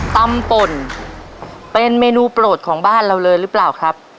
ป่นเป็นเมนูโปรดของบ้านเราเลยหรือเปล่าครับ